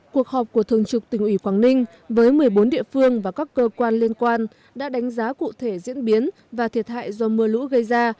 cuộc họp của thường trực tỉnh ủy quảng ninh với một mươi bốn địa phương và các cơ quan liên quan đã đánh giá cụ thể diễn biến và thiệt hại do mưa lũ gây ra